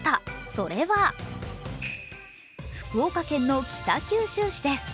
それは福岡県の北九州市です。